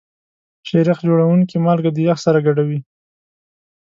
شیریخ جوړونکي مالګه د یخ سره ګډوي.